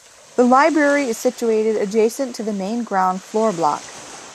The library is situated adjacent to the main ground floor block.